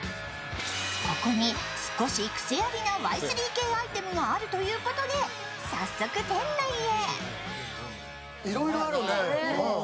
ここに、少しクセありなＹ３Ｋアイテムがあるということで早速店内へ。